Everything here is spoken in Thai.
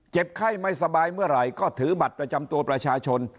ไข้ไม่สบายเมื่อไหร่ก็ถือบัตรประจำตัวประชาชน